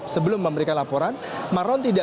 sekarang jika kelompok pelanggan di